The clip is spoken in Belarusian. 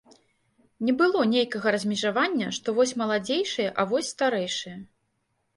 Не было нейкага размежавання, што вось маладзейшыя, а вось старэйшыя.